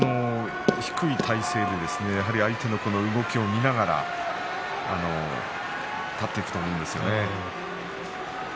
低い体勢でやはり相手の動きを見ながら立っていくと思うんですよね。